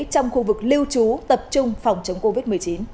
trong khu vực lưu trú tập trung phòng chống covid một mươi chín